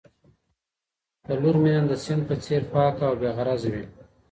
د لور مینه د سیند په څېر پاکه او بې غرضه وي